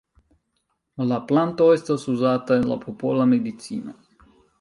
La planto estas uzata en la popola medicino.